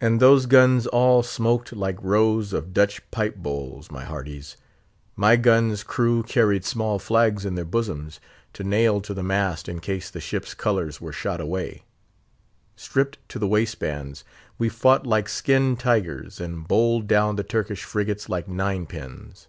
And those guns all smoked like rows of Dutch pipe bowls, my hearties! My gun's crew carried small flags in their bosoms, to nail to the mast in case the ship's colours were shot away. Stripped to the waistbands, we fought like skinned tigers, and bowled down the Turkish frigates like nine pins.